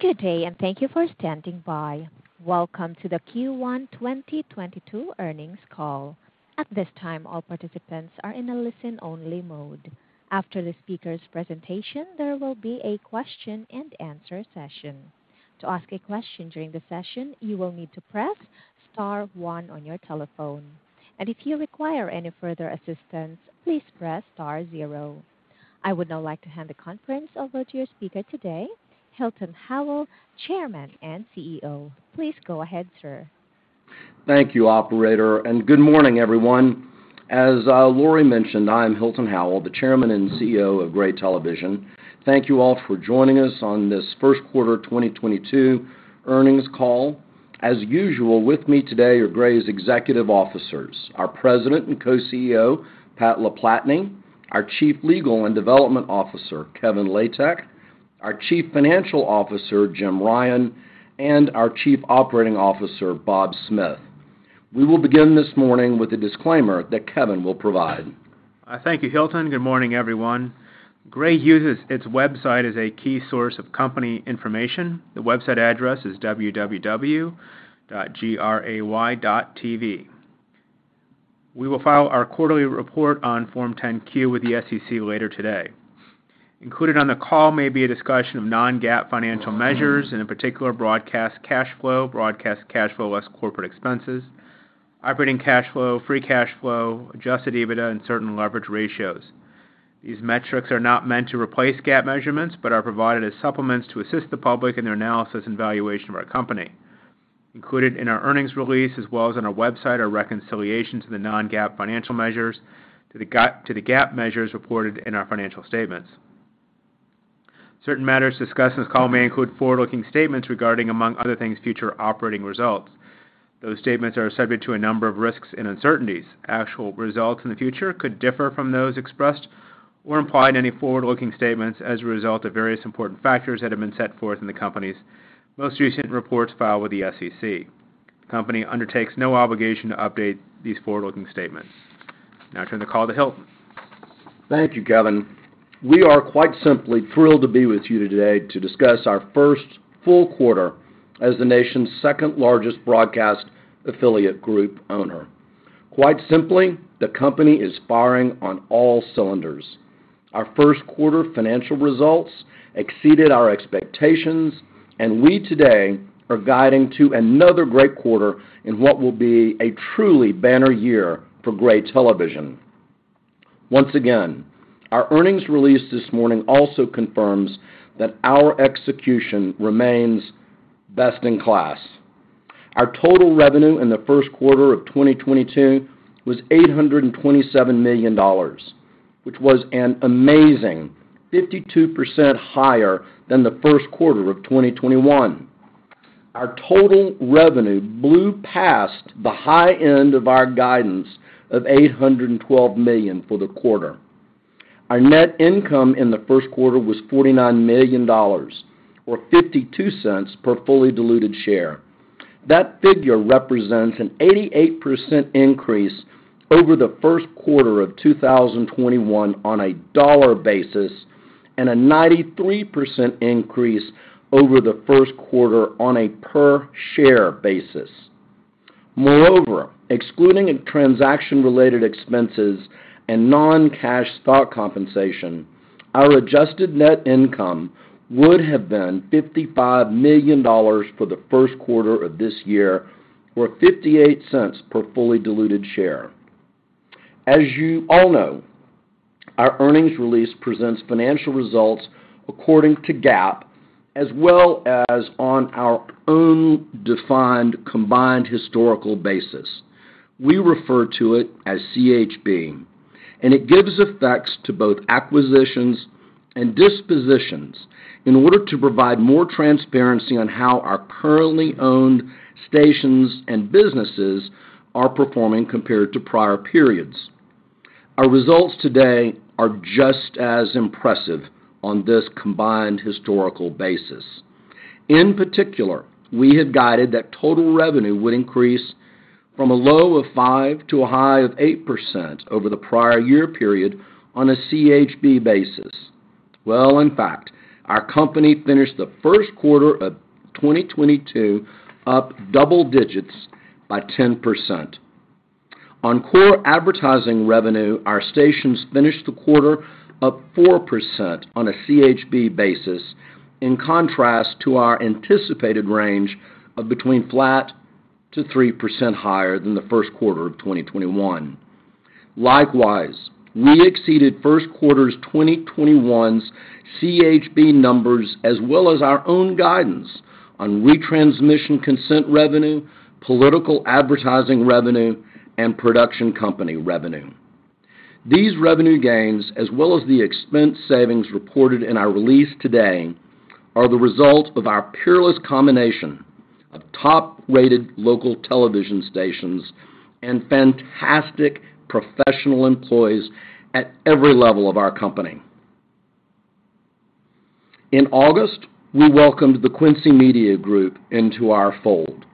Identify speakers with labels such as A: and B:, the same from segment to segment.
A: Good day, and thank you for standing by. Welcome to the Q1 2022 Earnings Call. At this time, all participants are in a listen-only mode. After the speaker's presentation, there will be a question-and-answer session. To ask a question during the session, you will need to press star one on your telephone, and if you require any further assistance, please press star zero. I would now like to hand the conference over to your speaker today, Hilton Howell, Chairman and CEO. Please go ahead, sir.
B: Thank you, operator, and good morning, everyone. As Lori mentioned, I am Hilton Howell, the Chairman and CEO of Gray Television. Thank you all for joining us on this Q1 2022 earnings call. As usual, with me today are Gray's executive officers, our president and co-CEO, Pat LaPlatney, our chief legal and development officer, Kevin Latek, our chief financial officer, Jim Ryan, and our chief operating officer, Bob Smith. We will begin this morning with a disclaimer that Kevin will provide.
C: Thank you, Hilton. Good morning, everyone. Gray uses its website as a key source of company information. The website address is www.gray.tv. We will file our quarterly report on Form 10-Q with the SEC later today. Included on the call may be a discussion of non-GAAP financial measures, in particular broadcast cash flow, broadcast cash flow less corporate expenses, operating cash flow, free cash flow, Adjusted EBITDA, and certain leverage ratios. These metrics are not meant to replace GAAP measurements but are provided as supplements to assist the public in their analysis and valuation of our company. Included in our earnings release as well as on our website are reconciliations of the non-GAAP financial measures to the GAAP measures reported in our financial statements. Certain matters discussed in this call may include forward-looking statements regarding, among other things, future operating results. Those statements are subject to a number of risks and uncertainties. Actual results in the future could differ from those expressed or implied in any forward-looking statements as a result of various important factors that have been set forth in the company's most recent reports filed with the SEC. The company undertakes no obligation to update these forward-looking statements. Now I turn the call to Hilton.
B: Thank you, Kevin. We are quite simply thrilled to be with you today to discuss our first full quarter as the nation's second-largest broadcast affiliate group owner. Quite simply, the company is firing on all cylinders. Our Q1 financial results exceeded our expectations, and we today are guiding to another great quarter in what will be a truly banner year for Gray Television. Once again, our earnings release this morning also confirms that our execution remains best in class. Our total revenue in the Q1 of 2022 was $827 million, which was an amazing 52% higher than the Q1 of 2021. Our total revenue blew past the high end of our guidance of $812 million for the quarter. Our net income in the Q1 was $49 million or $0.52 per fully diluted share. That figure represents an 88% increase over the Q1 of 2021 on a dollar basis, and a 93% increase over the Q1 on a per share basis. Moreover, excluding transaction-related expenses and non-cash stock compensation, our adjusted net income would have been $55 million for the Q1 of this year, or $0.58 per fully diluted share. As you all know, our earnings release presents financial results according to GAAP as well as on our own defined combined historical basis. We refer to it as CHB, and it gives effects to both acquisitions and dispositions in order to provide more transparency on how our currently owned stations and businesses are performing compared to prior periods. Our results today are just as impressive on this combined historical basis. In particular, we had guided that total revenue would increase from a low of 5% to a high of 8% over the prior year period on a CHB basis. Well, in fact, our company finished the Q1 of 2022 up 10%. On core advertising revenue, our stations finished the quarter up 4% on a CHB basis, in contrast to our anticipated range of between flat to 3% higher than the Q1 of 2021. Likewise, we exceeded Q1 2021's CHB numbers as well as our own guidance on retransmission consent revenue, political advertising revenue, and production company revenue. These revenue gains, as well as the expense savings reported in our release today, are the result of our peerless combination of top-rated local television stations and fantastic professional employees at every level of our company. In August, we welcomed the Quincy Media Group into our fold,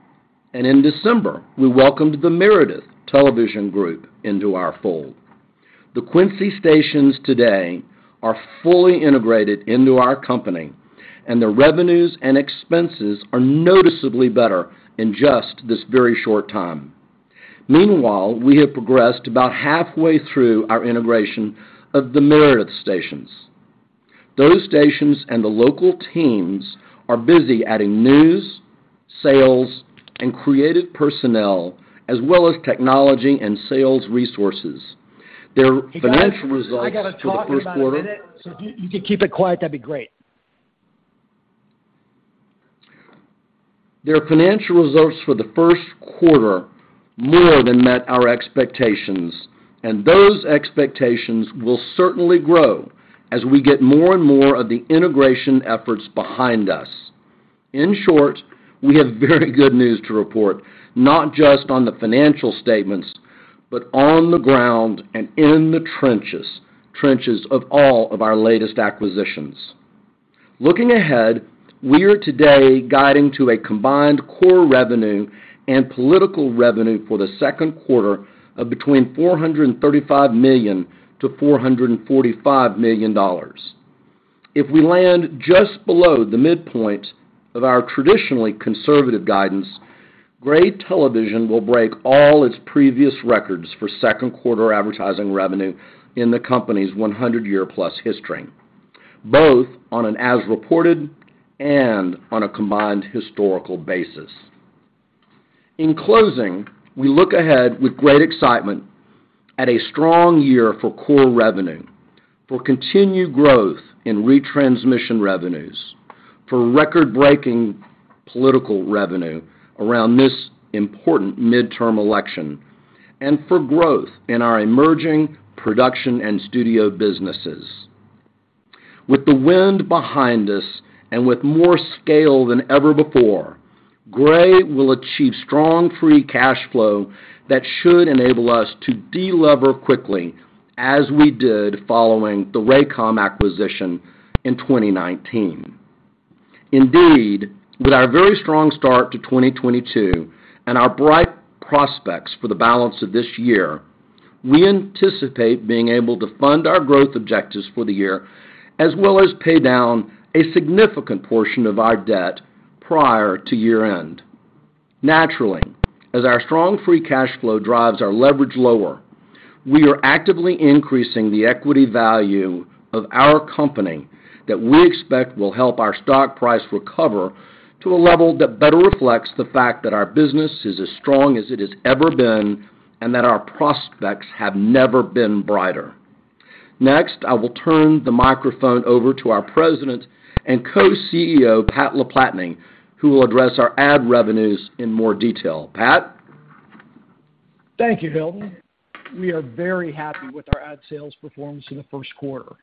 B: and in December, we welcomed the Meredith Television Group into our fold. The Quincy stations today are fully integrated into our company, and the revenues and expenses are noticeably better in just this very short time. Meanwhile, we have progressed about halfway through our integration of the Meredith stations. Those stations and the local teams are busy adding news, sales, and creative personnel, as well as technology and sales resources. Their financial results for the Q1
D: I gotta talk in about a minute, so if you could keep it quiet, that'd be great.
B: Their financial results for the Q1 more than met our expectations, and those expectations will certainly grow as we get more and more of the integration efforts behind us. In short, we have very good news to report, not just on the financial statements, but on the ground and in the trenches of all of our latest acquisitions. Looking ahead, we are today guiding to a combined core revenue and political revenue for the Q2 of between $435 million-$445 million. If we land just below the midpoint of our traditionally conservative guidance, Gray Television will break all its previous records for Q2 advertising revenue in the company's 100-year+ history, both on an as-reported and on a combined historical basis. In closing, we look ahead with great excitement at a strong year for core revenue, for continued growth in retransmission revenues, for record-breaking political revenue around this important midterm election, and for growth in our emerging production and studio businesses. With the wind behind us and with more scale than ever before, Gray will achieve strong free cash flow that should enable us to delever quickly as we did following the Raycom acquisition in 2019. Indeed, with our very strong start to 2022 and our bright prospects for the balance of this year, we anticipate being able to fund our growth objectives for the year, as well as pay down a significant portion of our debt prior to year-end. Naturally, as our strong free cash flow drives our leverage lower, we are actively increasing the equity value of our company that we expect will help our stock price recover to a level that better reflects the fact that our business is as strong as it has ever been and that our prospects have never been brighter. Next, I will turn the microphone over to our President and Co-CEO, Pat LaPlatney, who will address our ad revenues in more detail. Pat?
D: Thank you, Hilton. We are very happy with our ad sales performance in the Q1.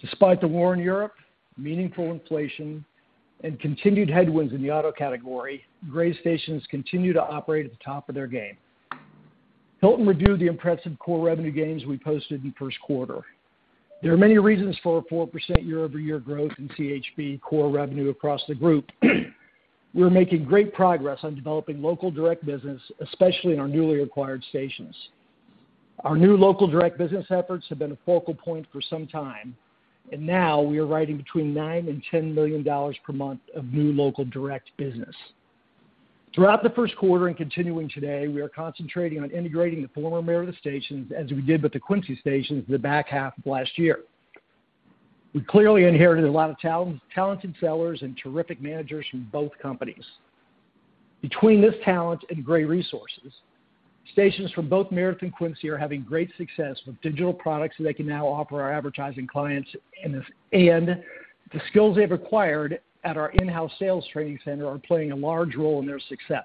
D: Despite the war in Europe, meaningful inflation, and continued headwinds in the auto category, Gray stations continue to operate at the top of their game. Hilton reviewed the impressive core revenue gains we posted in the Q1. There are many reasons for a 4% year-over-year growth in CHB core revenue across the group. We're making great progress on developing local direct business, especially in our newly acquired stations. Our new local direct business efforts have been a focal point for some time, and now we are writing between $9 million and $10 million per month of new local direct business. Throughout the Q1 and continuing today, we are concentrating on integrating the former Meredith stations as we did with the Quincy stations in the back half of last year. We clearly inherited a lot of talent, talented sellers, and terrific managers from both companies. Between this talent and great resources, stations from both Meredith and Quincy are having great success with digital products that they can now offer our advertising clients in this. The skills they've acquired at our in-house sales training center are playing a large role in their success.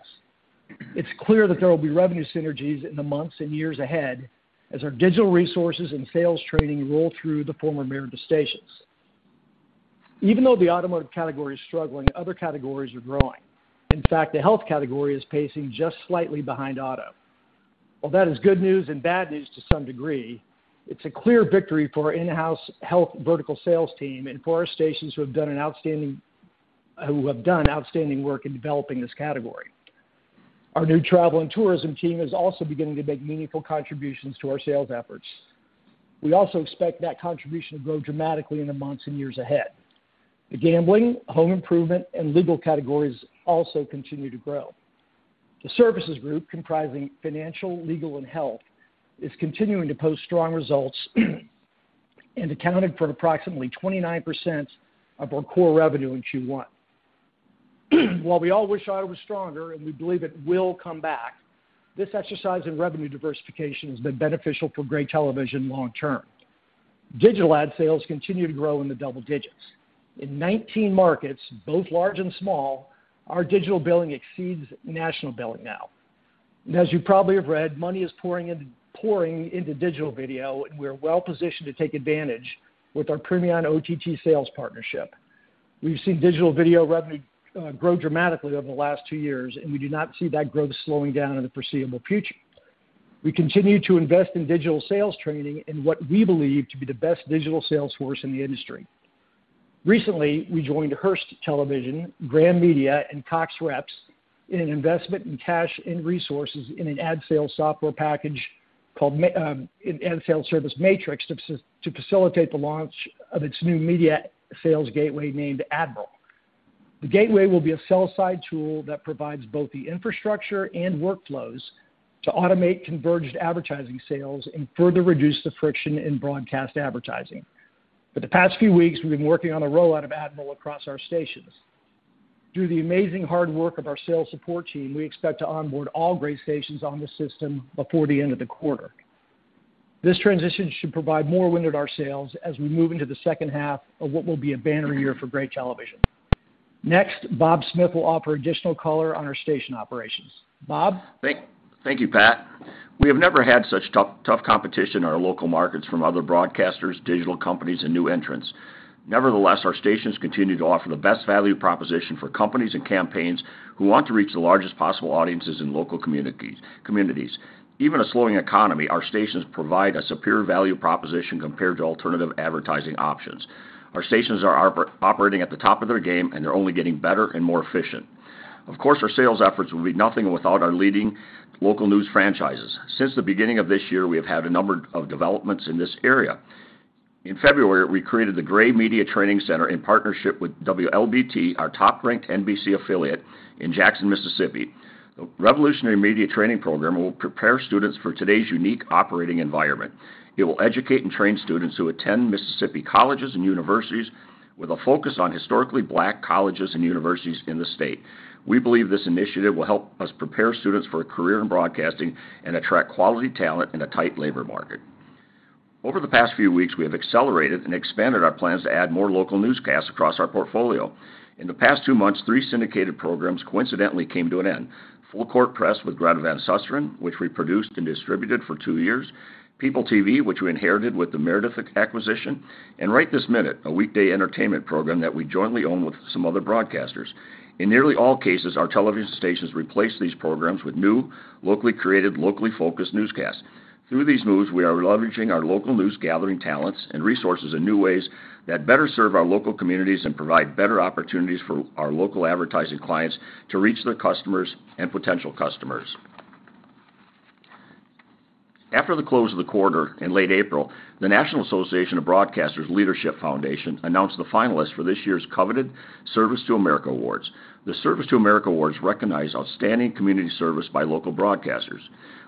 D: It's clear that there will be revenue synergies in the months and years ahead as our digital resources and sales training roll through the former Meredith stations. Even though the automotive category is struggling, other categories are growing. In fact, the health category is pacing just slightly behind auto. While that is good news and bad news to some degree, it's a clear victory for our in-house health vertical sales team and for our stations who have done outstanding work in developing this category. Our new travel and tourism team is also beginning to make meaningful contributions to our sales efforts. We also expect that contribution to grow dramatically in the months and years ahead. The gambling, home improvement, and legal categories also continue to grow. The services group, comprising financial, legal, and health, is continuing to post strong results and accounted for approximately 29% of our core revenue in Q1. While we all wish auto was stronger and we believe it will come back, this exercise in revenue diversification has been beneficial for Gray Television long term. Digital ad sales continue to grow in the double-digits. In 19 markets, both large and small, our digital billing exceeds national billing now. As you probably have read, money is pouring into digital video, and we are well-positioned to take advantage with our Premion OTT sales partnership. We've seen digital video revenue grow dramatically over the last two years, and we do not see that growth slowing down in the foreseeable future. We continue to invest in digital sales training in what we believe to be the best digital sales force in the industry. Recently, we joined Hearst Television, Graham Media, and CoxReps in an investment in cash and resources in an ad sales software package called an ad sales service Matrix to facilitate the launch of its new media sales gateway named Admiral. The gateway will be a sell side tool that provides both the infrastructure and workflows to automate converged advertising sales and further reduce the friction in broadcast advertising. For the past few weeks, we've been working on a rollout of Admiral across our stations. Through the amazing hard work of our sales support team, we expect to onboard all Gray stations on the system before the end of the quarter. This transition should provide more wind at our sails as we move into the second half of what will be a banner year for Gray Television. Next, Bob Smith will offer additional color on our station operations. Bob?
E: Thank you, Pat. We have never had such tough competition in our local markets from other broadcasters, digital companies, and new entrants. Nevertheless, our stations continue to offer the best value proposition for companies and campaigns who want to reach the largest possible audiences in local communities. Even in a slowing economy, our stations provide a superior value proposition compared to alternative advertising options. Our stations are operating at the top of their game, and they're only getting better and more efficient. Of course, our sales efforts will be nothing without our leading local news franchises. Since the beginning of this year, we have had a number of developments in this area. In February, we created the Gray Media Training Center in partnership with WLBT, our top-ranked NBC affiliate in Jackson, Mississippi. The revolutionary media training program will prepare students for today's unique operating environment. It will educate and train students who attend Mississippi colleges and universities with a focus on historically Black colleges and universities in the state. We believe this initiative will help us prepare students for a career in broadcasting and attract quality talent in a tight labor market. Over the past few weeks, we have accelerated and expanded our plans to add more local newscasts across our portfolio. In the past two months, three syndicated programs coincidentally came to an end. Full Court Press with Greta Van Susteren, which we produced and distributed for two years, PeopleTV, which we inherited with the Meredith acquisition, and Right This Minute, a weekday entertainment program that we jointly own with some other broadcasters. In nearly all cases, our television stations replaced these programs with new, locally created, locally focused newscasts. Through these moves, we are leveraging our local news gathering talents and resources in new ways that better serve our local communities and provide better opportunities for our local advertising clients to reach their customers and potential customers. After the close of the quarter in late April, the National Association of Broadcasters Leadership Foundation announced the finalists for this year's coveted Service to America Awards. The Service to America Awards recognize outstanding community service by local broadcasters.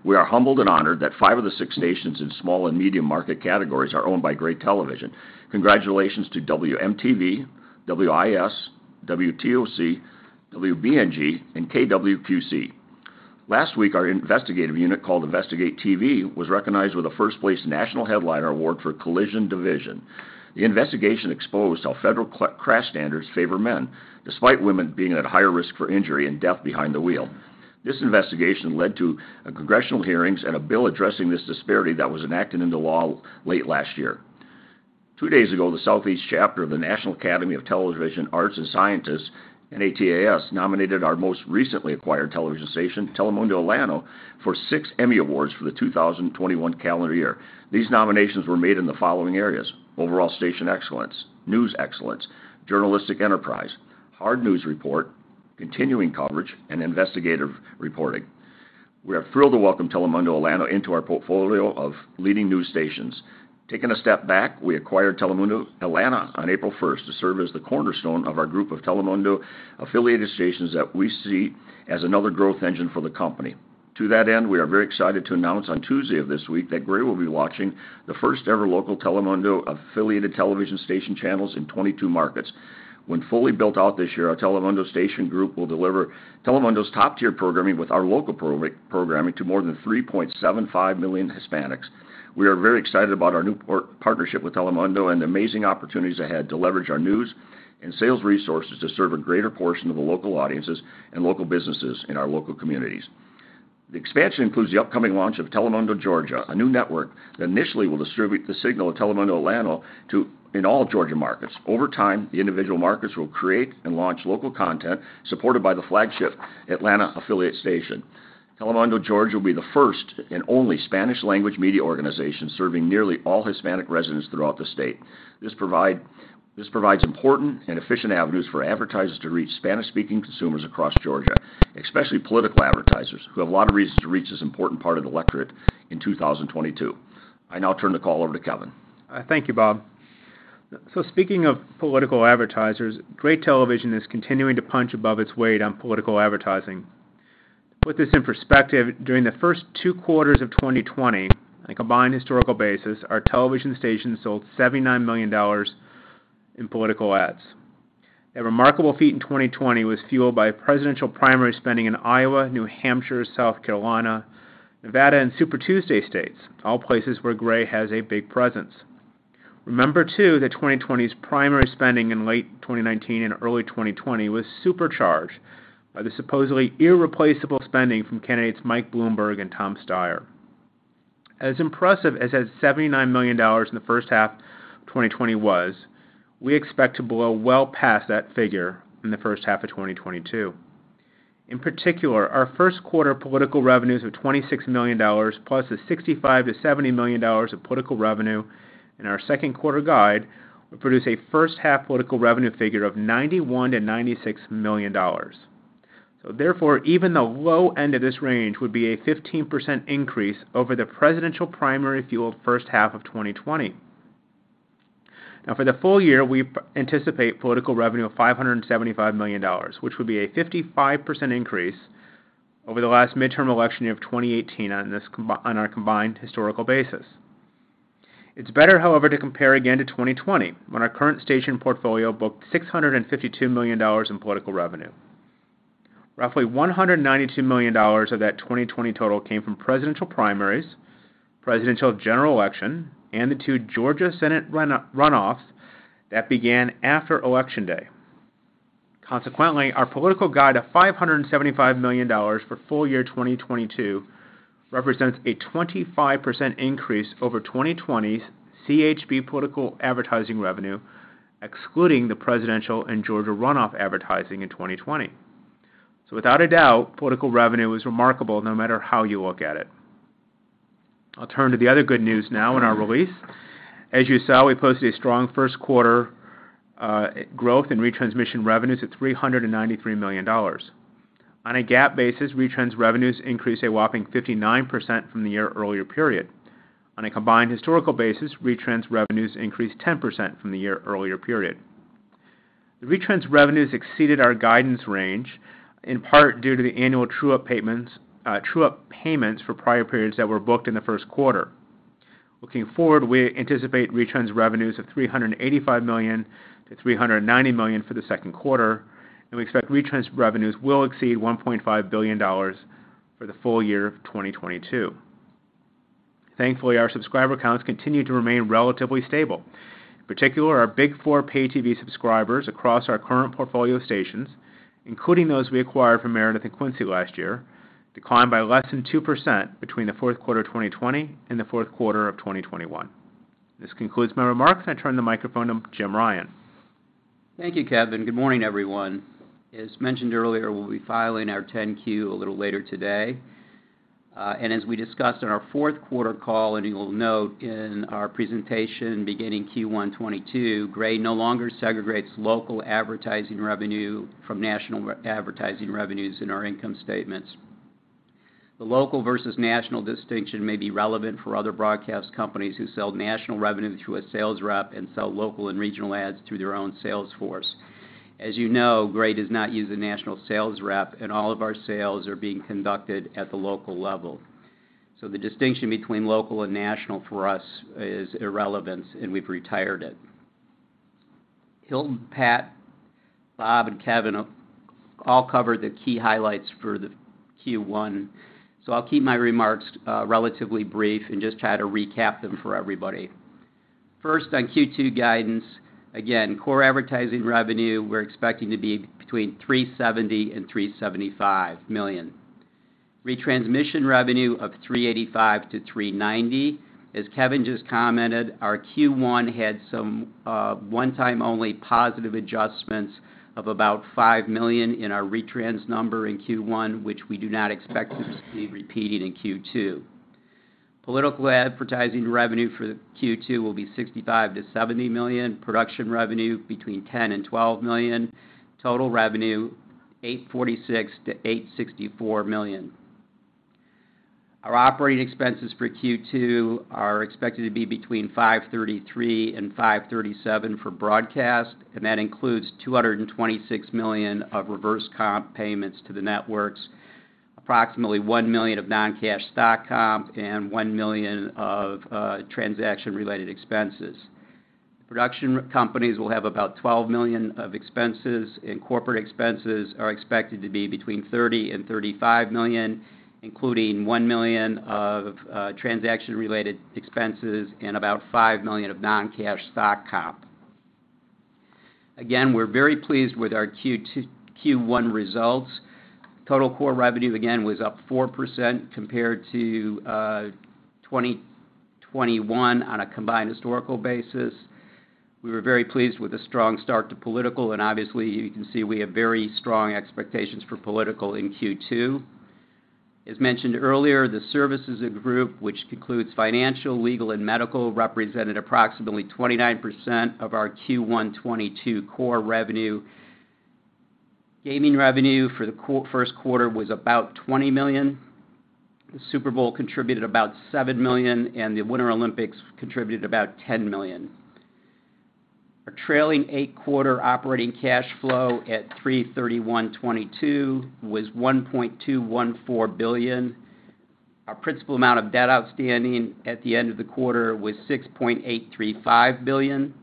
E: We are humbled and honored that five of the six stations in small and medium market categories are owned by Gray Television. Congratulations to WMTV, WIS, WTOC, WBNG, and KWQC. Last week, our investigative unit called InvestigateTV was recognized with a First Place National Headliner Award for Collision Division. The investigation exposed how federal crash standards favor men, despite women being at higher risk for injury and death behind the wheel. This investigation led to congressional hearings and a bill addressing this disparity that was enacted into law late last year. Two days ago, the Southeast chapter of the National Academy of Television Arts and Sciences, NATAS, nominated our most recently acquired television station, Telemundo Atlanta, for six Emmy Awards for the 2021 calendar year. These nominations were made in the following areas, overall station excellence, news excellence, journalistic enterprise, hard news report, continuing coverage, and investigative reporting. We are thrilled to welcome Telemundo Atlanta into our portfolio of leading news stations. Taking a step back, we acquired Telemundo Atlanta on 1 April 2022 to serve as the cornerstone of our group of Telemundo-affiliated stations that we see as another growth engine for the company. To that end, we are very excited to announce on Tuesday of this week that Gray will be launching the first ever local Telemundo-affiliated television station channels in 22 markets. When fully built out this year, our Telemundo station group will deliver Telemundo's top-tier programming with our local programming to more than 3.75 million Hispanics. We are very excited about our new partnership with Telemundo and the amazing opportunities ahead to leverage our news and sales resources to serve a greater portion of the local audiences and local businesses in our local communities. The expansion includes the upcoming launch of Telemundo Georgia, a new network that initially will distribute the signal of Telemundo Atlanta to in all Georgia markets. Over time, the individual markets will create and launch local content supported by the flagship Atlanta affiliate station. Telemundo Georgia will be the first and only Spanish language media organization serving nearly all Hispanic residents throughout the state. This provides important and efficient avenues for advertisers to reach Spanish-speaking consumers across Georgia, especially political advertisers, who have a lot of reasons to reach this important part of the electorate in 2022. I now turn the call over to Kevin.
C: Thank you, Bob. Speaking of political advertisers, Gray Television is continuing to punch above its weight on political advertising. To put this in perspective, during the first two quarters of 2020, on a combined historical basis, our television stations sold $79 million in political ads. That remarkable feat in 2020 was fueled by presidential primary spending in Iowa, New Hampshire, South Carolina, Nevada, and Super Tuesday states, all places where Gray has a big presence. Remember, too, that 2020's primary spending in late 2019 and early 2020 was supercharged by the supposedly irreplaceable spending from candidates Mike Bloomberg and Tom Steyer. As impressive as that $79 million in the first half of 2020 was, we expect to blow well past that figure in the first half of 2022. In particular, our Q1 political revenues of $26 million+ the $65 million-$70 million of political revenue in our Q2 guide will produce a first half political revenue figure of $91 million-$96 million. Therefore, even the low end of this range would be a 15% increase over the presidential primary fueled first half of 2020. Now for the full year, we anticipate political revenue of $575 million, which would be a 55% increase over the last midterm election year of 2018 on this combined historical basis. It's better, however, to compare again to 2020, when our current station portfolio booked $652 million in political revenue. Roughly $192 million of that 2020 total came from presidential primaries, presidential general election, and the two Georgia Senate runoffs that began after election day. Consequently, our political guide of $575 million for full year 2022 represents a 25% increase over 2020's CHB political advertising revenue, excluding the presidential and Georgia runoff advertising in 2020. Without a doubt, political revenue is remarkable no matter how you look at it. I'll turn to the other good news now in our release. As you saw, we posted a strong Q1 growth in retransmission revenues at $393 million. On a GAAP basis, retrans revenues increased a whopping 59% from the year earlier period. On a combined historical basis, retrans revenues increased 10% from the year earlier period. The retrans revenues exceeded our guidance range, in part due to the annual true up payments for prior periods that were booked in the Q1. Looking forward, we anticipate retrans revenues of $385 million-$390 million for the Q2, and we expect retrans revenues will exceed $1.5 billion for the full year of 2022. Thankfully, our subscriber counts continue to remain relatively stable. In particular, our big four pay TV subscribers across our current portfolio of stations, including those we acquired from Meredith and Quincy last year, declined by less than 2% between the Q4 of 2020 and the Q4 of 2021. This concludes my remarks, and I turn the microphone to Jim Ryan.
F: Thank you, Kevin. Good morning, everyone. As mentioned earlier, we'll be filing our 10-Q a little later today. As we discussed on our Q4 call, and you will note in our presentation beginning Q1 2022, Gray no longer segregates local advertising revenue from national advertising revenues in our income statements. The local versus national distinction may be relevant for other broadcast companies who sell national revenue through a sales rep and sell local and regional ads through their own sales force. As you know, Gray does not use a national sales rep, and all of our sales are being conducted at the local level. The distinction between local and national for us is irrelevant, and we've retired it. Hilton, Pat, Bob, and Kevin all covered the key highlights for the Q1, so I'll keep my remarks relatively brief and just try to recap them for everybody. First, on Q2 guidance, again, core advertising revenue we're expecting to be between $370 million and $375 million. Retransmission revenue of $385 million-$390 million. As Kevin just commented, our Q1 had some one-time only positive adjustments of about $5 million in our retrans number in Q1, which we do not expect to be repeated in Q2. Political advertising revenue for Q2 will be $65 million-$70 million. Production revenue between $10 million and $12 million. Total revenue, $846 million-$864 million. Our operating expenses for Q2 are expected to be between $533 million and $537 million for broadcast, and that includes $226 million of reverse comp payments to the networks, approximately $1 million of non-cash stock comp, and $1 million of transaction-related expenses. Production companies will have about $12 million of expenses, and corporate expenses are expected to be between $30 million and $35 million, including $1 million of transaction-related expenses and about $5 million of non-cash stock comp. We're very pleased with our Q1 results. Total core revenue again was up 4% compared to 2021 on a combined historical basis. We were very pleased with the strong start to political, and obviously, you can see we have very strong expectations for political in Q2. As mentioned earlier, the services group, which includes financial, legal, and medical, represented approximately 29% of our Q1 2022 core revenue. Gaming revenue for the Q1 was about $20 million. The Super Bowl contributed about $7 million, and the Winter Olympics contributed about $10 million. Our trailing eight-quarter operating cash flow at 3/31/2022 was $1.214 billion. Our principal amount of debt outstanding at the end of the quarter was $6.835 billion.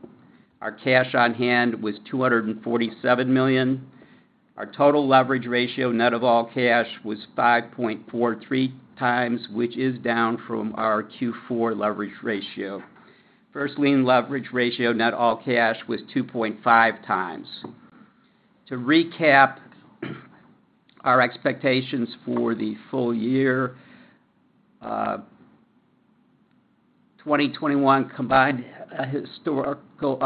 F: Our cash on hand was $247 million. Our total leverage ratio, net of all cash, was 5.43x, which is down from our Q4 leverage ratio. First lien leverage ratio, net all cash, was 2.5x. To recap our expectations for the full year, 2021 combined historical.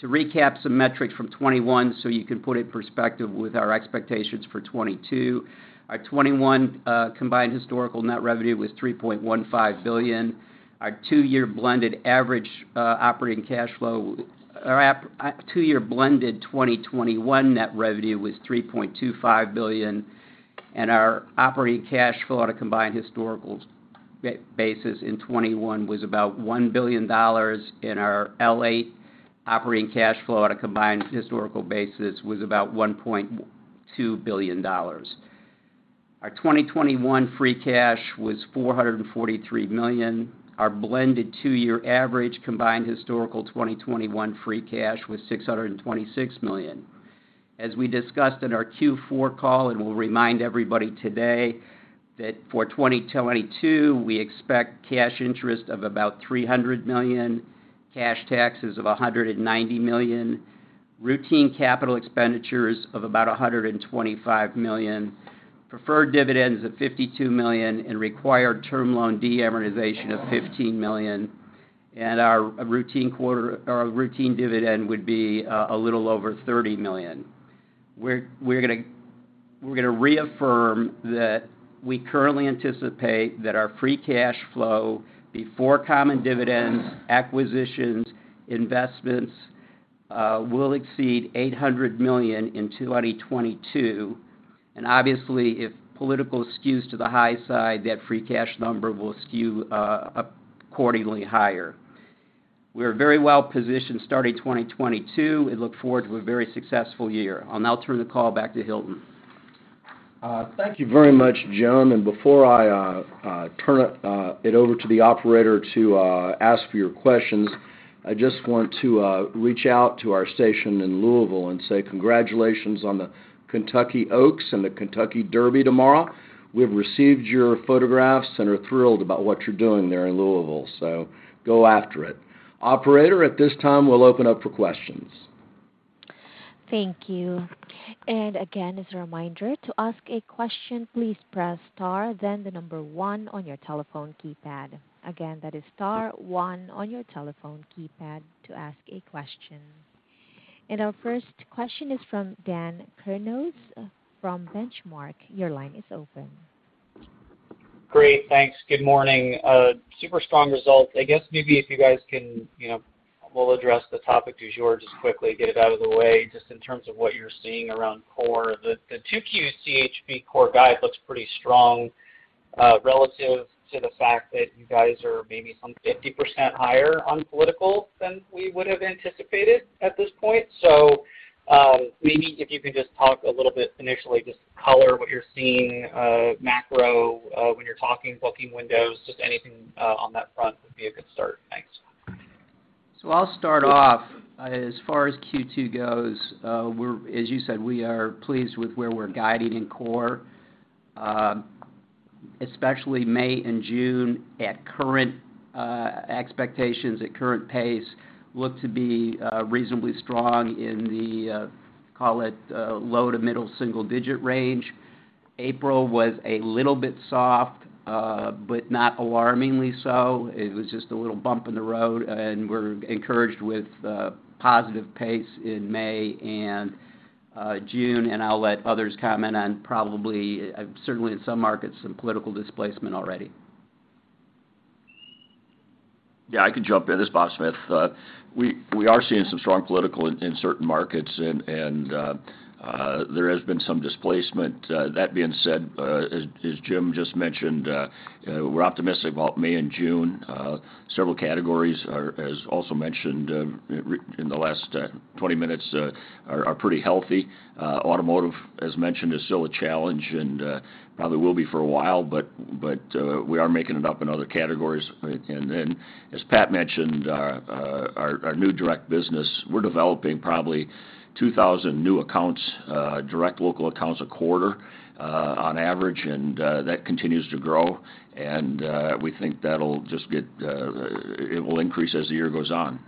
F: To recap some metrics from 2021, so you can put in perspective with our expectations for 2022. Our 2021 combined historical net revenue was $3.15 billion. Our two-year blended average operating cash flow or two-year blended 2021 net revenue was $3.25 billion. Our operating cash flow at a combined historical basis in 2021 was about $1 billion, and our LTM operating cash flow at a combined historical basis was about $1.2 billion. Our 2021 free cash was $443 million. Our blended two-year average combined historical 2021 free cash was $626 million. As we discussed in our Q4 call, we'll remind everybody today that for 2022, we expect cash interest of about $300 million, cash taxes of $190 million, routine capital expenditures of about $125 million, preferred dividends of $52 million, and required Term Loan D amortization of $15 million. Our routine dividend would be a little over $30 million. We're gonna reaffirm that we currently anticipate that our free cash flow before common dividends, acquisitions, investments, will exceed $800 million in 2022. Obviously, if political skews to the high side, that free cash number will skew accordingly higher. We're very well positioned starting 2022 and look forward to a very successful year. I'll now turn the call back to Hilton.
B: Thank you very much, Jim. Before I turn it over to the operator to ask for your questions, I just want to reach out to our station in Louisville and say congratulations on the Kentucky Oaks and the Kentucky Derby tomorrow. We've received your photographs and are thrilled about what you're doing there in Louisville. Go after it. Operator, at this time, we'll open up for questions.
A: Thank you. Again as a reminder, to ask a question, please press star then the number one on your telephone keypad. Again, that is star one on your telephone keypad to ask a question. Our first question is from Dan Kurnos from Benchmark. Your line is open.
G: Great. Thanks. Good morning. Super strong result. I guess maybe if you guys can, you know, we'll address the topic du jour just quickly, get it out of the way just in terms of what you're seeing around core. The 2Q CHB core guide looks pretty strong, relative to the fact that you guys are maybe some 50% higher on political than we would have anticipated at this point. Maybe if you could just talk a little bit initially, just color what you're seeing, macro, when you're talking booking windows, just anything, on that front would be a good start. Thanks.
F: I'll start off. As far as Q2 goes, as you said, we are pleased with where we're guiding in core. Especially May and June at current expectations, at current pace, look to be reasonably strong in the call it low to middle single-digit range. April was a little bit soft, but not alarmingly so. It was just a little bump in the road, and we're encouraged with positive pace in May and June. I'll let others comment on probably certainly in some markets, some political displacement already.
E: Yeah, I can jump in. This is Bob Smith. We are seeing some strong political in certain markets, and there has been some displacement. That being said, as Jim just mentioned, we're optimistic about May and June. Several categories are, as also mentioned, returning in the last 20 minutes, are pretty healthy. Automotive, as mentioned, is still a challenge and probably will be for a while, but we are making it up in other categories. And then as Pat mentioned, our new direct business, we're developing probably 2,000 new accounts, direct local accounts a quarter, on average, and that continues to grow. We think that'll increase as the year goes on.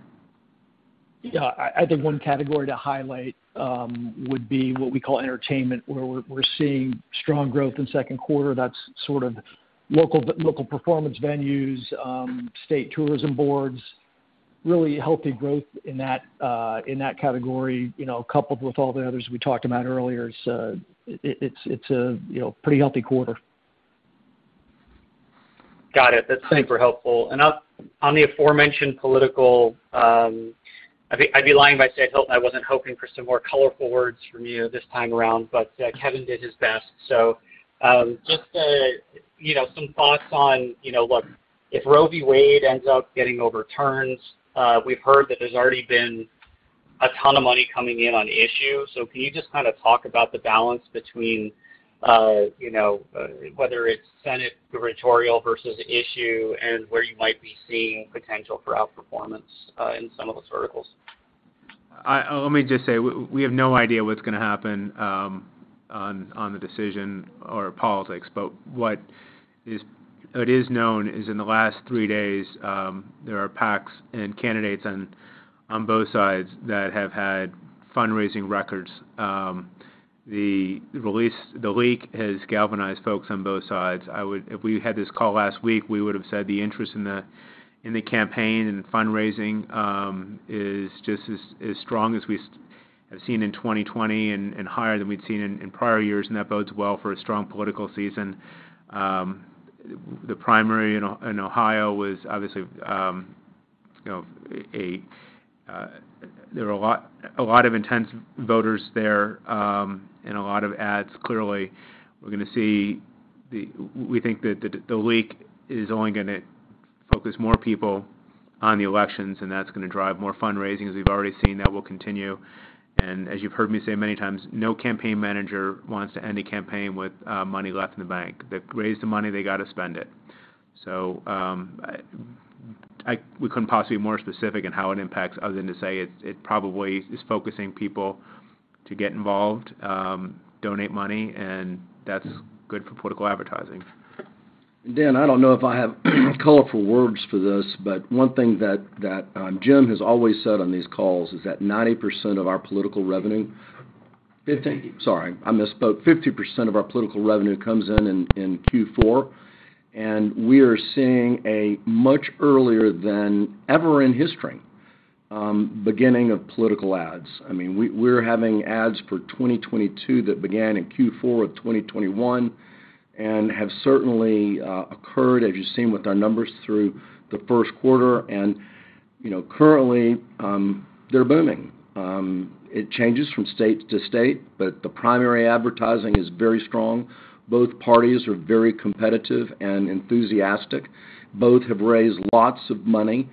D: Yeah. I think one category to highlight would be what we call entertainment, where we're seeing strong growth in Q2. That's sort of local performance venues, state tourism boards, really healthy growth in that category, you know, coupled with all the others we talked about earlier. It's a, you know, pretty healthy quarter.
G: Got it. That's super helpful. On the aforementioned political, I think I'd be lying if I say I wasn't hoping for some more colorful words from you this time around, but Kevin did his best. Just you know, some thoughts on, you know, what if Roe v. Wade ends up getting overturned. We've heard that there's already been a ton of money coming in on issue. Can you just kind of talk about the balance between, you know, whether it's senatorial versus issue and where you might be seeing potential for outperformance in some of those verticals?
C: Let me just say we have no idea what's gonna happen on the decision or politics. What is known is in the last three days, there are PACs and candidates on both sides that have had fundraising records. The leak has galvanized folks on both sides. If we had this call last week, we would have said the interest in the campaign and fundraising is just as strong as we have seen in 2020 and higher than we'd seen in prior years, and that bodes well for a strong political season. The primary in Ohio was obviously you know. There were a lot of intense voters there and a lot of ads. Clearly, we're gonna see we think that the leak is only gonna focus more people on the elections, and that's gonna drive more fundraising. As we've already seen, that will continue. As you've heard me say many times, no campaign manager wants to end a campaign with money left in the bank. They've raised the money, they gotta spend it. We couldn't possibly be more specific in how it impacts other than to say it probably is focusing people to get involved, donate money, and that's good for political advertising.
B: Dan, I don't know if I have colorful words for this, but one thing that Jim has always said on these calls is that 90% of our political revenue Sorry, I misspoke. 50% of our political revenue comes in Q4, and we are seeing a much earlier than ever in history beginning of political ads. I mean, we're having ads for 2022 that began in Q4 of 2021 and have certainly occurred, as you've seen with our numbers, through the Q1. You know, currently, they're booming. It changes from state to state, but the primary advertising is very strong. Both parties are very competitive and enthusiastic. Both have raised lots of money.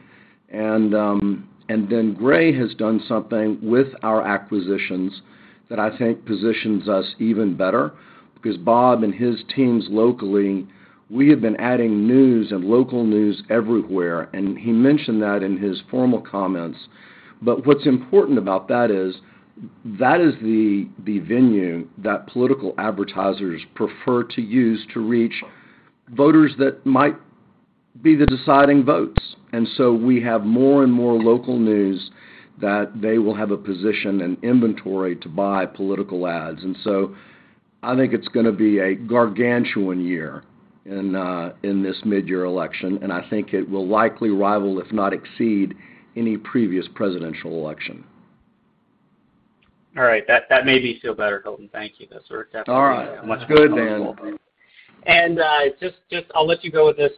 B: Gray has done something with our acquisitions that I think positions us even better because Bob and his teams locally, we have been adding news and local news everywhere, and he mentioned that in his formal comments. What's important about that is that the venue that political advertisers prefer to use to reach voters that might be the deciding votes. We have more and more local news that they will have a position and inventory to buy political ads. I think it's gonna be a gargantuan year in this midyear election, and I think it will likely rival, if not exceed, any previous presidential election.
G: All right. That made me feel better, Hilton. Thank you. That's definitely.
B: All right.
G: much more colorful.
B: Good, Dan.
G: I'll let you go with this.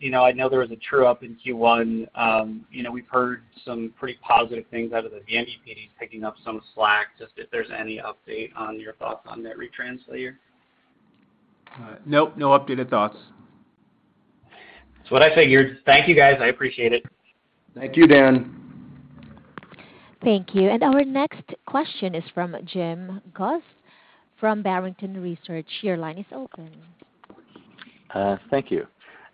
G: You know, I know there was a true-up in Q1. You know, we've heard some pretty positive things out of the vMVPDs picking up some slack, just if there's any update on your thoughts on that retrans later.
C: Nope. No updated thoughts.
G: That's what I figured. Thank you, guys. I appreciate it.
B: Thank you, Dan.
A: Thank you. Our next question is from Jim Goss from Barrington Research. Your line is open.
H: Thank you.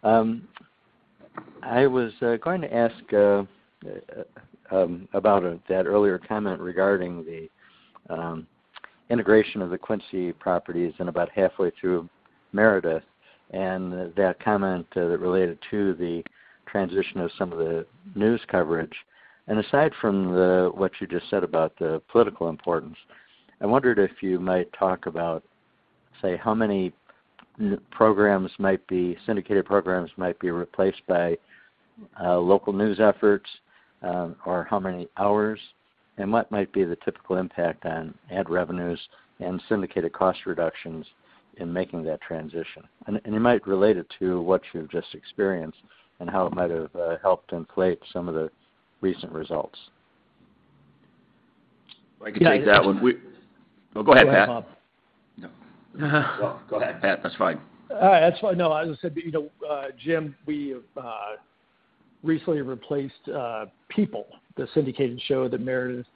H: I was going to ask about that earlier comment regarding the integration of the Quincy properties and about halfway through Meredith and that comment that related to the transition of some of the news coverage. Aside from what you just said about the political importance, I wondered if you might talk about, say, how many syndicated programs might be replaced by local news efforts, or how many hours, and what might be the typical impact on ad revenues and syndicated cost reductions in making that transition. You might relate it to what you've just experienced and how it might have helped inflate some of the recent results.
D: I can take that one
B: Go ahead, Pat.
D: Go ahead, Bob. No
E: Go ahead, Pat. That's fine.
D: All right. That's fine. No, as I said, you know, Jim, we have recently replaced People, the syndicated show that Meredith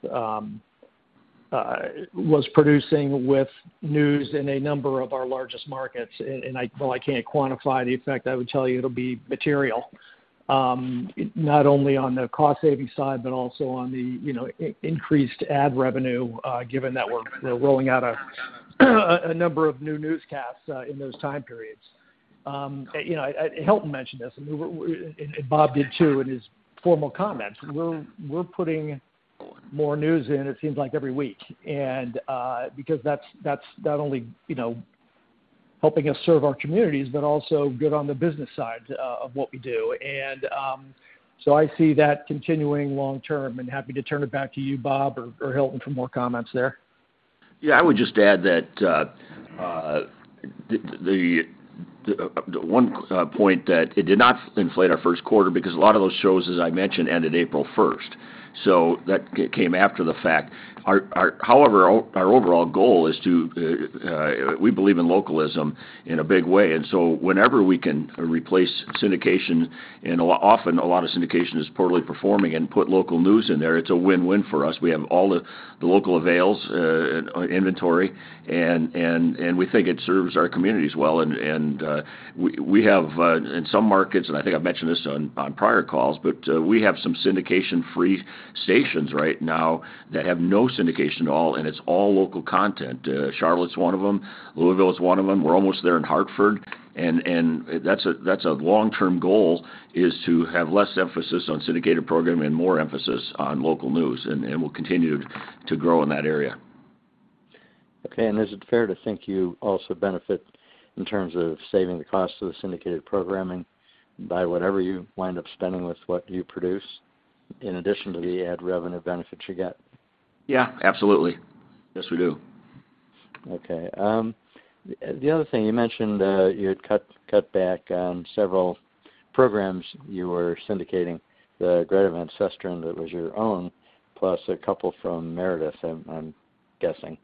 D: was producing with news in a number of our largest markets. While I can't quantify the effect, I would tell you it'll be material, not only on the cost-saving side, but also on the increased ad revenue, given that we're rolling out a number of newscasts in those time periods. You know, Hilton mentioned this, and Bob did, too, in his formal comments. We're putting more news in, it seems like, every week. Because that's not only helping us serve our communities, but also good on the business side of what we do. I see that continuing long term, and happy to turn it back to you, Bob or Hilton, for more comments there.
E: Yeah. I would just add that the one point that it did not inflate our Q1 because a lot of those shows, as I mentioned, ended 1 April 2022. That came after the fact. However, our overall goal is, we believe, in localism in a big way. Whenever we can replace syndication, often a lot of syndication is poorly performing and put local news in there, it is a win-win for us. We have all the local avails inventory, and we think it serves our communities well. We have in some markets, and I think I have mentioned this on prior calls, but we have some syndication-free stations right now that have no syndication at all, and it is all local content. Charlotte's one of them. Louisville is one of them. We're almost there in Hartford. That's a long-term goal, is to have less emphasis on syndicated programming and more emphasis on local news, and we'll continue to grow in that area.
H: Okay. Is it fair to think you also benefit in terms of saving the cost of the syndicated programming by whatever you wind up spending with what you produce in addition to the ad revenue benefits you get?
D: Yeah, absolutely. Yes, we do.
H: Okay. The other thing you mentioned, you had cut back on several programs you were syndicating, the Greta Van Susteren that was your own, plus a couple from Meredith, I'm guessing.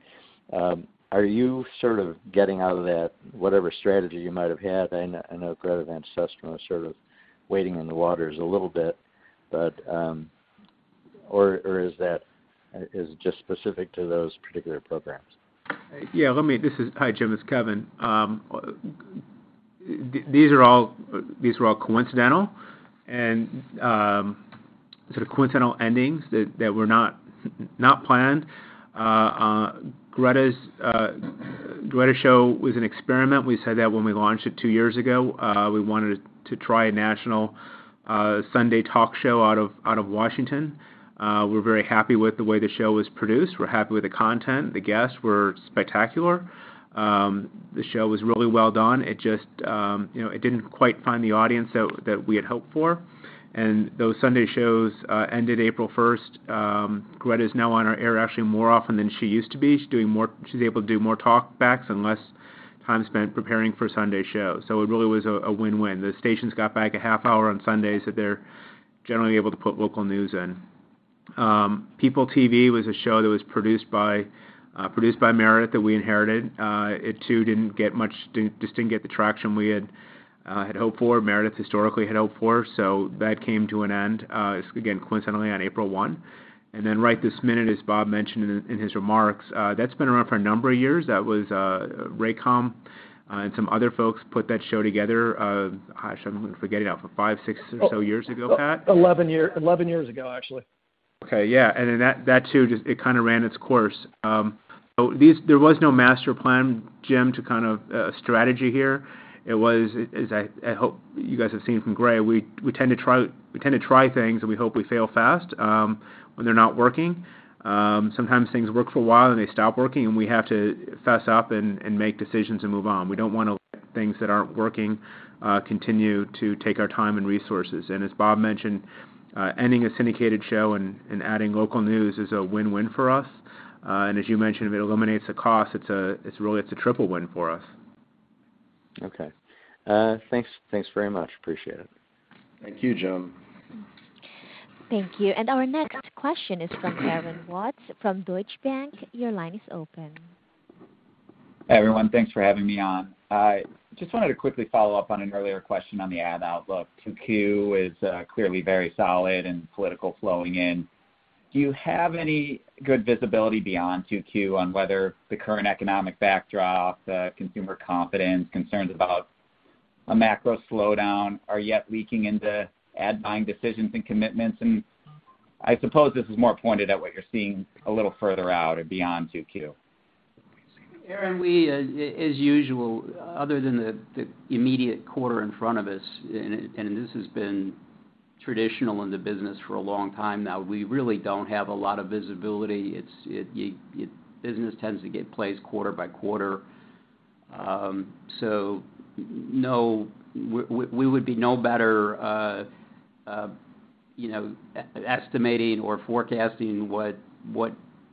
H: Are you sort of getting out of that, whatever strategy you might have had? I know Greta Van Susteren was sort of wading in the waters a little bit, but. Or is that just specific to those particular programs?
C: Hi, Jim, it's Kevin. These were all coincidental and sort of coincidental endings that were not planned. Greta's show was an experiment. We said that when we launched it two years ago. We wanted to try a national Sunday talk show out of Washington. We're very happy with the way the show was produced. We're happy with the content. The guests were spectacular. The show was really well done. It just, you know, it didn't quite find the audience that we had hoped for. Those Sunday shows ended 1 April 2022. Greta's now on our air actually more often than she used to be. She's able to do more talk backs and less time spent preparing for Sunday shows. It really was a win-win. The stations got back a half hour on Sundays that they're generally able to put local news in. PeopleTV was a show that was produced by Meredith that we inherited. It too didn't get the traction we had hoped for, Meredith historically had hoped for. That came to an end, again, coincidentally, on April 1. Right This Minute, as Bob mentioned in his remarks, that's been around for a number of years. That was Raycom, and some other folks put that show together, gosh, I'm forgetting now, for five, six or so years ago, Pat?
D: 11 years ago, actually.
C: Okay. Yeah. Then that too just it kinda ran its course. There was no master plan, Jim, to kind of strategize here. It was, as I hope you guys have seen from Gray, we tend to try things, and we hope we fail fast when they're not working. Sometimes things work for a while, and they stop working, and we have to fess up and make decisions and move on. We don't wanna let things that aren't working continue to take our time and resources. As Bob mentioned, ending a syndicated show and adding local news is a win-win for us. As you mentioned, if it eliminates the cost, it's really a triple win for us.
H: Okay. Thanks very much. Appreciate it.
B: Thank you, Jim.
A: Thank you. Our next question is from Aaron Watts from Deutsche Bank. Your line is open.
I: Hi, everyone. Thanks for having me on. I just wanted to quickly follow up on an earlier question on the ad outlook. 2Q is clearly very solid and political flowing in. Do you have any good visibility beyond 2Q on whether the current economic backdrop, the consumer confidence, concerns about a macro slowdown are yet leaking into ad buying decisions and commitments? I suppose this is more pointed at what you're seeing a little further out or beyond 2Q.
F: Aaron, we as usual, other than the immediate quarter in front of us, and this has been traditional in the business for a long time now, we really don't have a lot of visibility. Business tends to get placed quarter by quarter. No, we would be no better, you know, estimating or forecasting what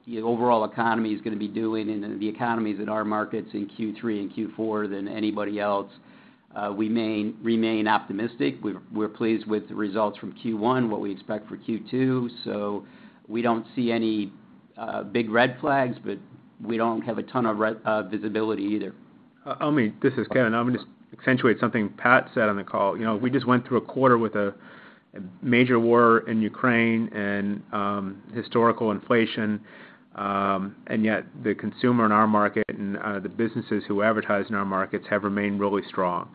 F: the overall economy is gonna be doing and the economies in our markets in Q3 and Q4 than anybody else. We remain optimistic. We're pleased with the results from Q1, what we expect for Q2, so we don't see any big red flags, but we don't have a ton of visibility either.
C: Omi, this is Kevin. I'm gonna just accentuate something Pat said on the call. You know, we just went through a quarter with a major war in Ukraine and historical inflation, and yet the consumer in our market and the businesses who advertise in our markets have remained really strong.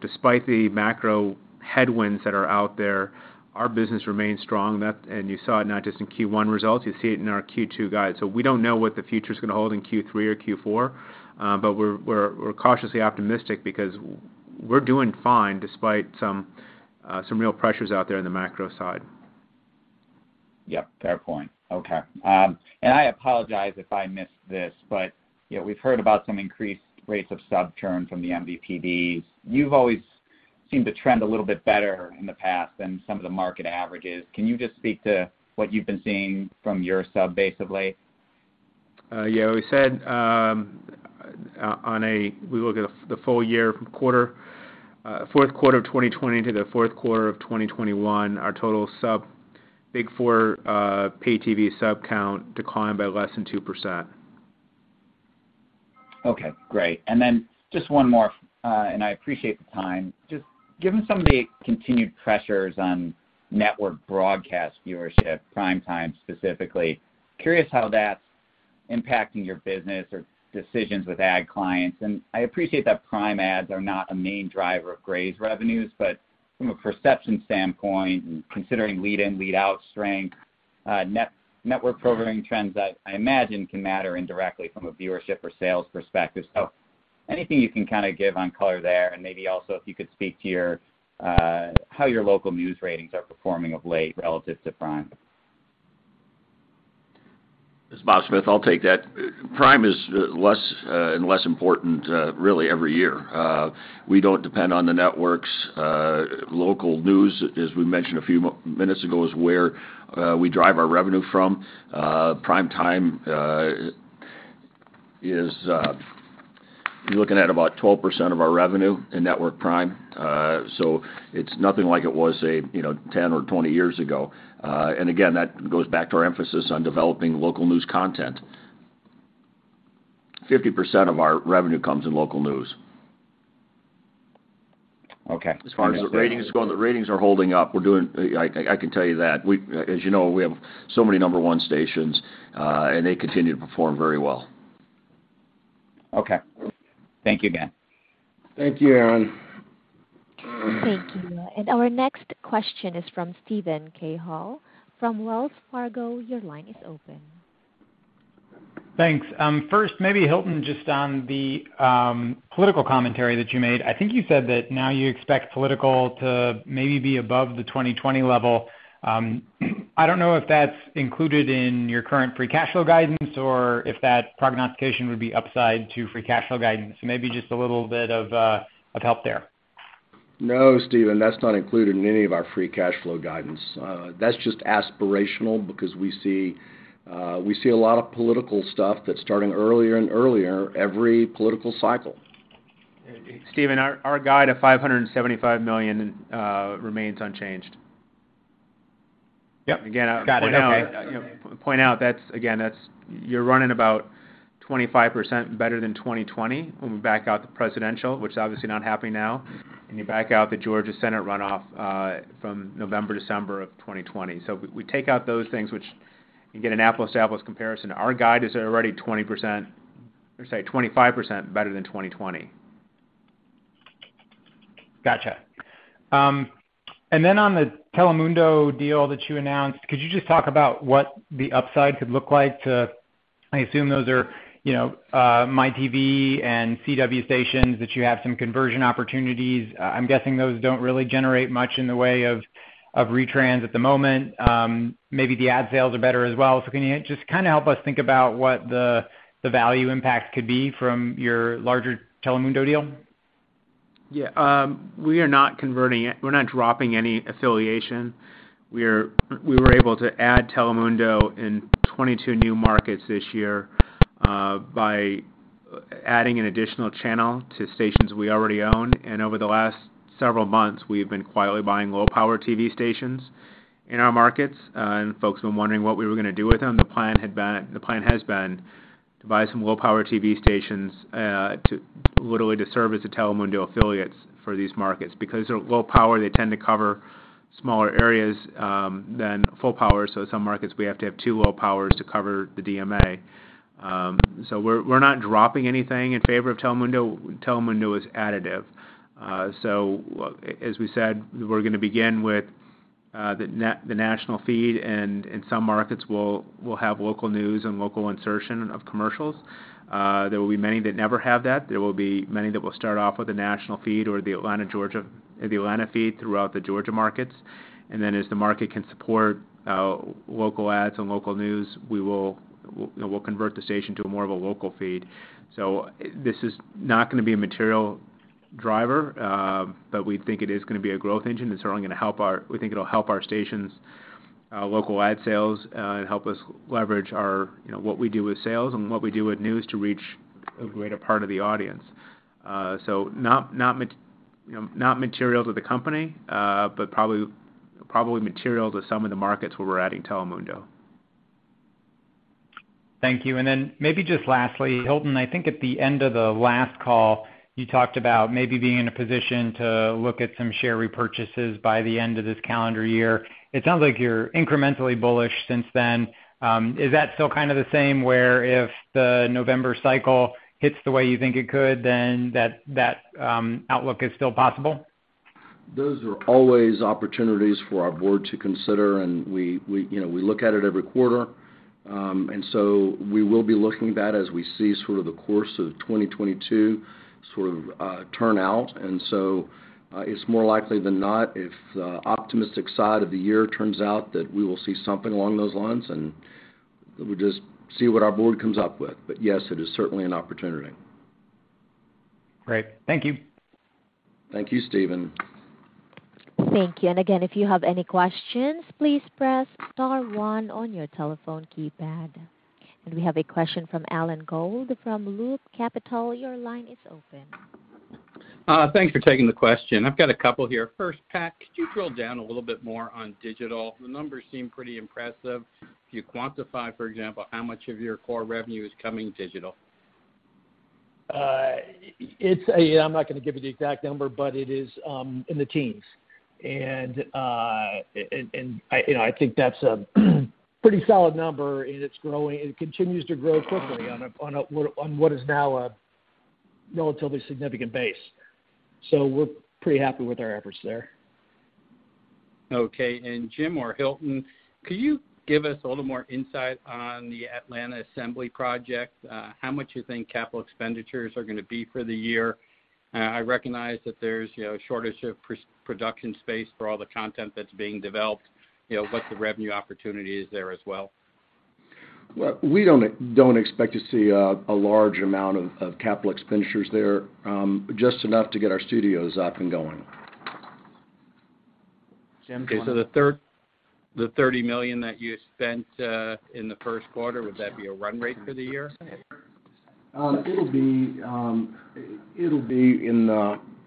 C: Despite the macro headwinds that are out there, our business remains strong. You saw it not just in Q1 results, you see it in our Q2 guide. We don't know what the future's gonna hold in Q3 or Q4, but we're cautiously optimistic because we're doing fine despite some real pressures out there in the macro side.
I: Yep, fair point. Okay. I apologize if I missed this, but, you know, we've heard about some increased rates of churn from the MVPDs. You've always seemed to trend a little bit better in the past than some of the market averages. Can you just speak to what you've been seeing from your sub base of late?
C: Yeah, we said we look at the full year from Q4 of 2020 into the Q4 of 2021, our total Big Four pay TV sub count declined by less than 2%.
I: Okay, great. Just one more, and I appreciate the time. Just given some of the continued pressures on network broadcast viewership, prime time specifically, curious how that's impacting your business or decisions with ad clients. I appreciate that prime ads are not a main driver of Gray's revenues, but from a perception standpoint and considering lead-in, lead-out strength, network programming trends, I imagine can matter indirectly from a viewership or sales perspective. Anything you can kind of give on color there, and maybe also if you could speak to your, how your local news ratings are performing of late relative to prime?
E: This is Bob Smith. I'll take that. Prime is less and less important really every year. We don't depend on the networks. Local news, as we mentioned a few minutes ago, is where we drive our revenue from. Prime time, you're looking at about 12% of our revenue in network prime. So it's nothing like it was say, you know, 10 or 20 years ago. And again, that goes back to our emphasis on developing local news content. 50% of our revenue comes in local news.
I: Okay.
E: As far as the ratings go, the ratings are holding up. I can tell you that. As you know, we have so many number one stations, and they continue to perform very well.
I: Okay. Thank you again.
B: Thank you, Aaron.
A: Thank you. Our next question is from Steven Cahall from Wells Fargo. Your line is open.
J: Thanks. First, maybe Hilton, just on the political commentary that you made. I think you said that now you expect political to maybe be above the 2020 level. I don't know if that's included in your current free cash flow guidance or if that prognostication would be upside to free cash flow guidance. Maybe just a little bit of help there.
B: No, Steven, that's not included in any of our free cash flow guidance. That's just aspirational because we see a lot of political stuff that's starting earlier and earlier every political cycle.
C: Steven, our guidance of $575 million remains unchanged.
J: Yep. Got it. Okay.
C: Again, I'll point out, you know, that's you're running about 25% better than 2020 when we back out the presidential, which is obviously not happening now. You back out the Georgia Senate runoff from November, December of 2020. We take out those things which you get an apples-to-apples comparison. Our guide is already 20%, or say 25% better than 2020.
J: Gotcha. On the Telemundo deal that you announced, could you just talk about what the upside could look like to. I assume those are, you know, MyNetworkTV and CW stations that you have some conversion opportunities. I'm guessing those don't really generate much in the way of retrans at the moment. Maybe the ad sales are better as well. Can you just kinda help us think about what the value impact could be from your larger Telemundo deal?
C: Yeah. We are not converting it. We're not dropping any affiliation. We were able to add Telemundo in 22 new markets this year, by adding an additional channel to stations we already own. Over the last several months, we've been quietly buying low power TV stations in our markets, and folks have been wondering what we were gonna do with them. The plan has been to buy some low power TV stations, to literally serve as a Telemundo affiliates for these markets. Because they're low power, they tend to cover smaller areas than full power. Some markets, we have to have two low powers to cover the DMA. We're not dropping anything in favor of Telemundo. Telemundo is additive. As we said, we're gonna begin with the national feed, and in some markets we'll have local news and local insertion of commercials. There will be many that never have that. There will be many that will start off with a national feed or the Atlanta, Georgia, or the Atlanta feed throughout the Georgia markets. Then as the market can support local ads and local news, we'll convert the station to more of a local feed. This is not gonna be a material driver, but we think it is gonna be a growth engine. It's only gonna help our. We think it'll help our stations local ad sales, help us leverage our, you know, what we do with sales and what we do with news to reach a greater part of the audience. Not material to the company, you know, but probably material to some of the markets where we're adding Telemundo.
J: Thank you. Maybe just lastly, Hilton, I think at the end of the last call, you talked about maybe being in a position to look at some share repurchases by the end of this calendar year. It sounds like you're incrementally bullish since then. Is that still kinda the same, where if the November cycle hits the way you think it could, then that outlook is still possible?
B: Those are always opportunities for our board to consider, and we, you know, we look at it every quarter. We will be looking at that as we see sort of the course of 2022 sort of turn out. It's more likely than not if the optimistic side of the year turns out that we will see something along those lines, and we'll just see what our board comes up with. Yes, it is certainly an opportunity.
J: Great. Thank you.
B: Thank you, Steven.
A: Thank you. Again, if you have any questions, please press star one on your telephone keypad. We have a question from Alan Gould, from Loop Capital. Your line is open.
K: Thanks for taking the question. I've got a couple here. First, Pat, could you drill down a little bit more on digital? The numbers seem pretty impressive. If you quantify, for example, how much of your core revenue is coming digital?
D: It's not gonna give you the exact number, but it is in the teens. You know, I think that's a pretty solid number, and it's growing. It continues to grow quickly on what is now a relatively significant base. We're pretty happy with our efforts there.
K: Okay. Jim or Hilton, could you give us a little more insight on the Assembly Atlanta project? How much you think capital expenditures are gonna be for the year? I recognize that there's, you know, a shortage of pre-production space for all the content that's being developed, you know, what's the revenue opportunities there as well?
B: Well, we don't expect to see a large amount of capital expenditures there, just enough to get our studios up and going.
K: Okay. The $30 million that you spent in the Q1, would that be a run rate for the year?
B: It'll be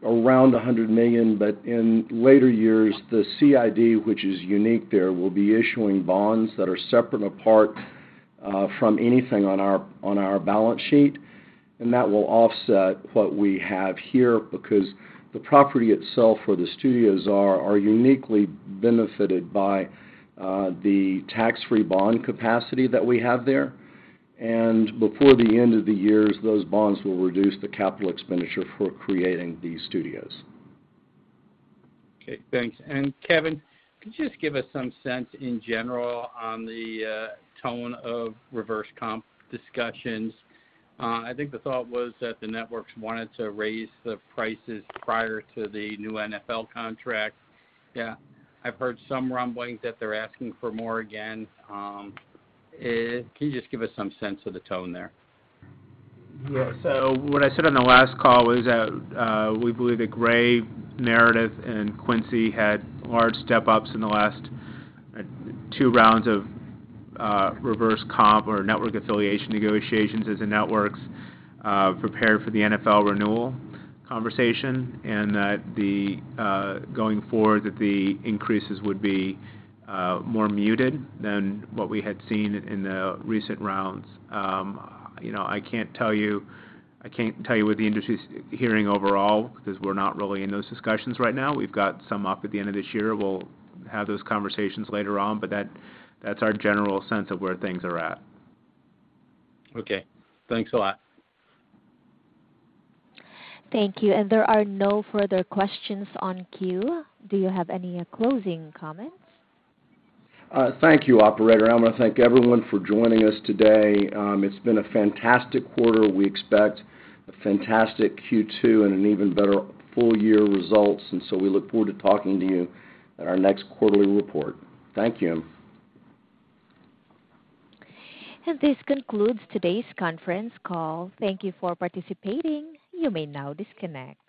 B: around $100 million, but in later years, the CID, which is unique there, will be issuing bonds that are separate apart from anything on our balance sheet, and that will offset what we have here because the property itself where the studios are is uniquely benefited by the tax-free bond capacity that we have there. Before the end of the years, those bonds will reduce the capital expenditure for creating these studios.
K: Okay. Thanks. And Kevin, could you just give us some sense in general on the tone of reverse comp discussions? I think the thought was that the networks wanted to raise the prices prior to the new NFL contract.
C: Yeah.
K: I've heard some rumblings that they're asking for more again. Can you just give us some sense of the tone there?
C: Yeah. What I said on the last call was that we believe that Gray, Meredith and Quincy had large step-ups in the last two rounds of reverse comp or network affiliation negotiations as the networks prepared for the NFL renewal conversation, and that going forward, the increases would be more muted than what we had seen in the recent rounds. You know, I can't tell you what the industry's hearing overall because we're not really in those discussions right now. We've got some up at the end of this year. We'll have those conversations later on, but that's our general sense of where things are at.
K: Okay. Thanks a lot.
A: Thank you. There are no further questions in the queue. Do you have any closing comments?
B: Thank you, operator. I wanna thank everyone for joining us today. It's been a fantastic quarter. We expect a fantastic Q2 and an even better full year results. We look forward to talking to you at our next quarterly report. Thank you.
A: This concludes today's conference call. Thank you for participating. You may now disconnect.